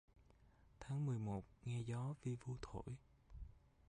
Tháng nười một nghe gió vi vu thổi